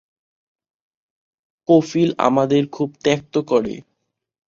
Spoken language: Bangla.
কফিল আমারে খুব ত্যক্ত করে।